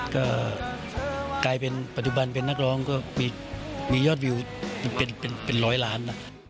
ก็กลายเป็นปัจจุบันเป็นนักร้องก็มียอดวิวเป็นร้อยล้านนะ